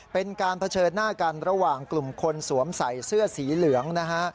เป็นการเผชิญหน้ากันระหว่างกลุ่มคนสวมใส่เสื้อสีเหลืองนะฮะ